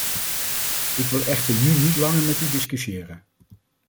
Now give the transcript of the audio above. Ik wil echter nu niet langer met u discussiëren.